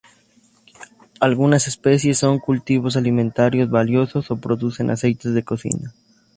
Algunas especies son cultivos alimentarios valiosos o producen aceites de cocina.